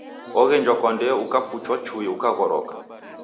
Oghenjwa kwa ndee ukapuchwa chui ukaghoroka.